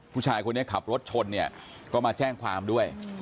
ผู้ชายครับรถชนก็มาแจ้งความด้วย